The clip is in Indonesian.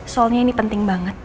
soalnya ini penting banget